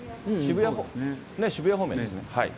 ねえ、渋谷方面ですね。